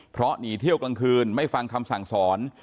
เพราะหนีเที่ยวกลางคืนไม่ฟังคำสั่งสอน